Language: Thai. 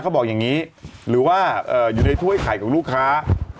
เขาบอกอย่างนี้หรือว่าอยู่ในถ้วยไข่ของลูกค้า